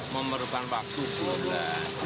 memerlukan waktu bulan